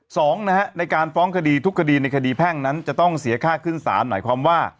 สองนะฮะในการฟ้องคดีทุกคดีในคดีแพ่งนั้นจะต้องเสียค่าขึ้นศาลหมายความว่า